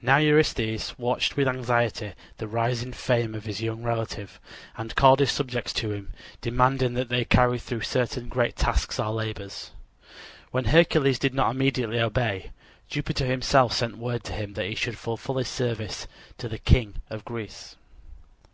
Now Eurystheus watched with anxiety the rising fame of his young relative, and called his subject to him, demanding that he carry through certain great tasks or labors. When Hercules did not immediately obey, Jupiter himself sent word to him that he should fulfill his service to the King of Greece.